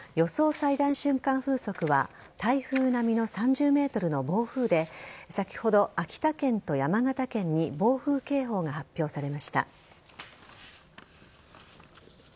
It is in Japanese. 最大瞬間風速は台風並みの３０メートルの暴風雨で先ほど、秋田県と山形県に暴風警報が発表されました。